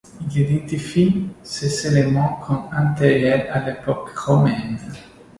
Il identifie ces éléments comme antérieurs à l'époque romaine.